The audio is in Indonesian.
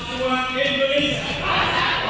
bisa usaha tuhan indonesia